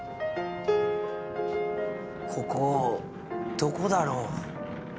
ここどこだろう。